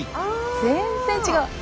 全然違う。